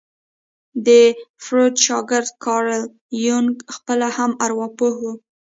د فروډ شاګرد کارل يونګ خپله هم ارواپوه وو.